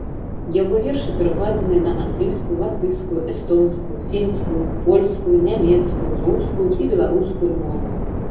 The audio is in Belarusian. Яго вершы перакладзеныя на англійскую, латышскую, эстонскую, фінскую, польскую, нямецкую, рускую і беларускую мовы.